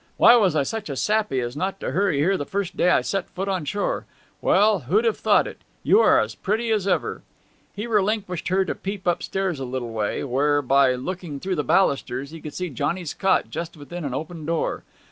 Why was I such a sappy as not to hurry here the first day I set foot on shore! Well, who'd have thought it you are as pretty as ever!' He relinquished her to peep upstairs a little way, where, by looking through the ballusters, he could see Johnny's cot just within an open door.